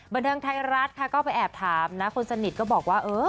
บันเทิงไทยรัฐค่ะก็ไปแอบถามนะคนสนิทก็บอกว่าเออ